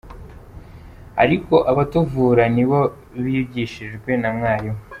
Ariko abatuvura nabo bigishijwe na mwarimu.